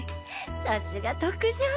さすが特上！